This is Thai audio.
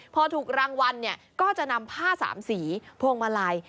พอถูกรางวัลเนี่ยก็จะนำผ้าสามสีพวงมาลัย